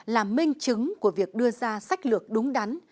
là minh chứng của việc đưa ra sách lược đúng đắn